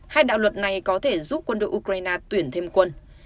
hai đạo luật này có thể giúp quân đội ukraine tuyển thêm quân